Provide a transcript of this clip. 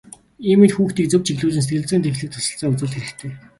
Ийм үед хүүхдийг зөв чиглүүлэн сэтгэл зүйн дэмжлэг туслалцаа үзүүлэх хэрэгтэй.